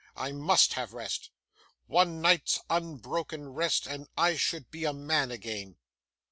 I must have rest. One night's unbroken rest, and I should be a man again.